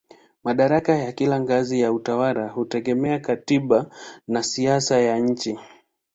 Madaraka ya kila ngazi ya utawala hutegemea katiba na siasa ya nchi.